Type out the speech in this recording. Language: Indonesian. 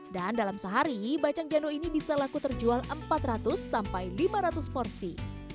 dan dalam sehari bacang jando ini bisa laku terjual empat ratus sampai lima ratus porsi